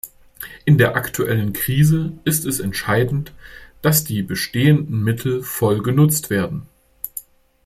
In der aktuellen Krise ist es entscheidend, dass die bestehenden Mittel voll genutzt werden.